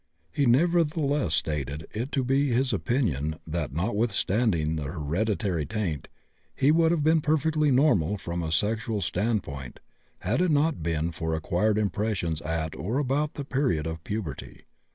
He nevertheless stated it to be his opinion that, notwithstanding the hereditary taint, he would have been perfectly normal from a sexual standpoint had it not been for acquired impressions at or about the period of puberty.